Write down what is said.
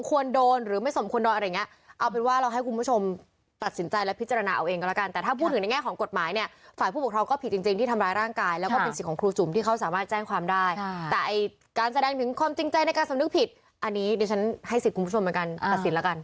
อันนี้เดี๋ยวฉันให้สิทธิ์คุณผู้ชมเหมือนกันประสิทธิ์แล้วกัน